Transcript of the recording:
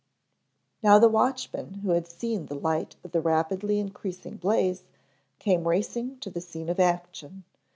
Now the watchmen, who had seen the light of the rapidly increasing blaze, came racing to the scene of action.